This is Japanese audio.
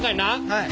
はい。